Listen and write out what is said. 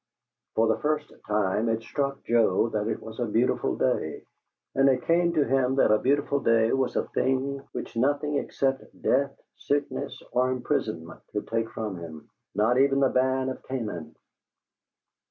For the first time, it struck Joe that it was a beautiful day, and it came to him that a beautiful day was a thing which nothing except death, sickness, or imprisonment could take from him not even the ban of Canaan!